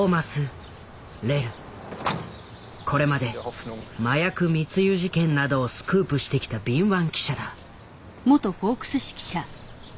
これまで麻薬密輸事件などをスクープしてきた敏腕記者だ。